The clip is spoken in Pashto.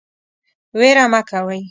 ویره مه کوئ